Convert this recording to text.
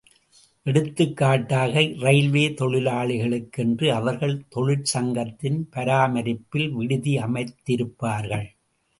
எடுத்துக்காட்டாக இரயில்வே தொழிலாளிகளுக்கென்று அவர்கள் தொழிற்சங்கத்தின் பராமரிப்பில் விடுதி அமைத்திருப்பார்கள்.